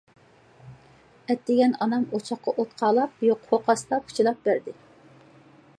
ئەتىگەن ئانام ئوچاققا ئوت قالاپ قوقاستا پۇچىلاپ بەردى.